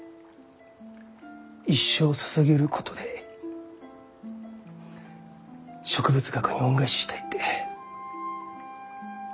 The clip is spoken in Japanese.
一生をささげることで植物学に恩返ししたいって。